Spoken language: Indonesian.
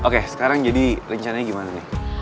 oke sekarang jadi rencananya gimana nih